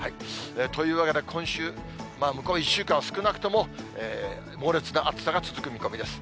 というわけで、今週、向こう１週間は、少なくとも猛烈な暑さが続く見込みです。